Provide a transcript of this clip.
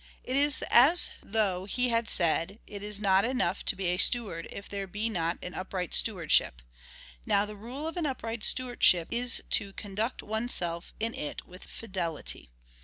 ^ It is as though he had said, it is not enough to be a steward if there be not an upright stewardship. Now the rule of an upright steward ship), is to conduct one's self in it with fidelity.